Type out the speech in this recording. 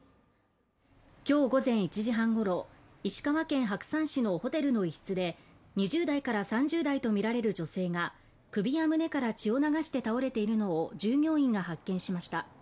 今日午前１時半頃、石川県白山市のホテルの一室で２０代から３０代とみられる女性が首や胸から血を流して倒れているのを従業員が発見しました。